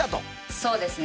そうですね。